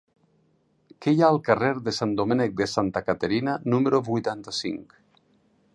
Què hi ha al carrer de Sant Domènec de Santa Caterina número vuitanta-cinc?